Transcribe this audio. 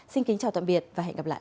xin kính chào tạm biệt và hẹn gặp lại